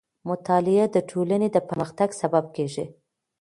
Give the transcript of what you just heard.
مطالعه د ټولنې د پرمختګ سبب کېږي.